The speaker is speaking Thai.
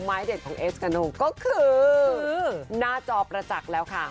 เด็ดของเอสกาโนก็คือหน้าจอประจักษ์แล้วค่ะ